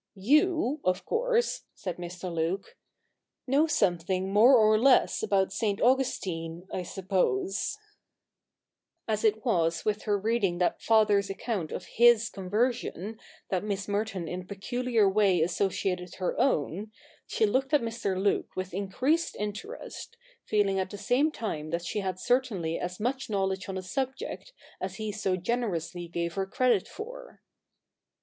You, of course,' said Mr. Luke, 'know something more or less about St. Augustine, I suppose,' As it was with her reading that Father's account of his conversion that Miss Merton in a peculiar way associated her own, she looked at Mr, Luke with increased interest, feeling at the same time that she had certainly as much knowledge on the subject as he so generously gave her credit for.